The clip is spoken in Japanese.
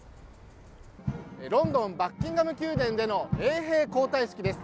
ロンドンバッキンガム宮殿での衛兵交代式です。